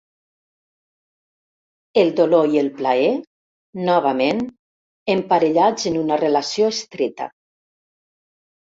El dolor i el plaer, novament, emparellats en una relació estreta.